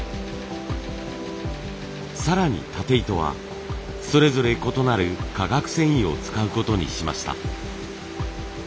更にたて糸はそれぞれ異なる化学繊維を使うことにしました。